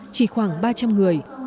chỉ khoảng ba trăm linh người